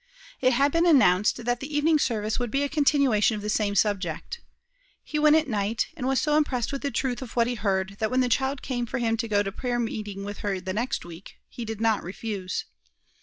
It had been announced that the evening service would be a continuation of the same subject. He went at night, and was so impressed with the truth of what he heard, that when the child came for him to go to prayer meeting with her the next week, he did not refuse.